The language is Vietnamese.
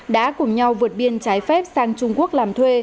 đã cùng nhau vượt biên trái phép sang trung quốc làm thuê